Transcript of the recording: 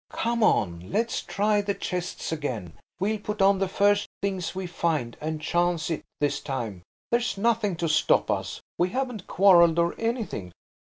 Come on; let's try the chests again. We'll put on the first things we find, and chance it, this time. There's nothing to stop us. We haven't quarrelled or anything."